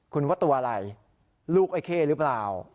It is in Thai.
คุณว่าตัวอะไรลูกไอ้เข้หรือเปล่า